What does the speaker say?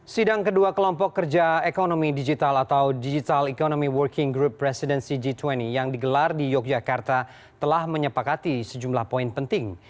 sidang kedua kelompok kerja ekonomi digital atau digital economy working group presidenc g dua puluh yang digelar di yogyakarta telah menyepakati sejumlah poin penting